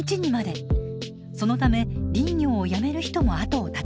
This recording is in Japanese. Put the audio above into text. そのため林業をやめる人も後を絶ちません。